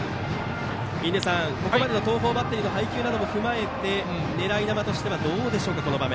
印出さん、ここまでの東邦バッテリーの配球なども踏まえて狙い球としてはどうでしょうか、この場面。